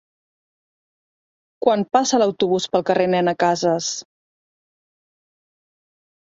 Quan passa l'autobús pel carrer Nena Casas?